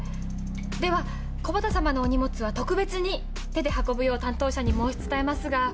では木幡様のお荷物は特別に手で運ぶよう担当者に申し伝えますが。